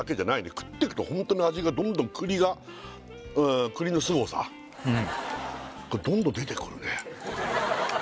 食ってくとホントに味がどんどん栗が栗のすごさうんいやホントだね